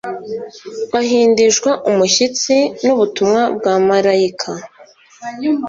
Ahindishwa umushyitsi n'ubutumwa bwa Marayika